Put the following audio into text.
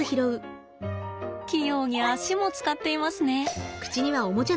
器用に足も使っていますね。